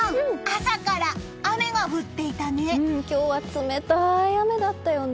朝から雨が降っていたね。